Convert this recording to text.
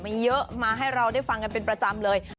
มีเยอะมาให้เราได้ฟังกันเป็นประจำเลย